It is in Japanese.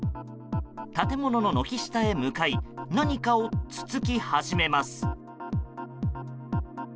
建物の軒下へ向かい何かをつつき始めます。